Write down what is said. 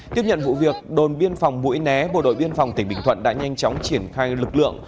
tiếp nhận vụ việc đồn biên phòng mũi né bộ đội biên phòng tỉnh bình thuận đã nhanh chóng triển khai lực lượng